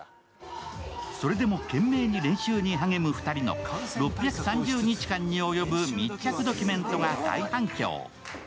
それでも懸命に練習に励む２人の６３０日間に及ぶ密着ドキュメントが大反響。